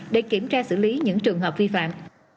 để kiểm tra xử lý những trường hợp vi phạm